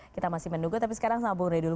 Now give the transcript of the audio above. kita masih menunggu tapi sekarang sama bung ray dulu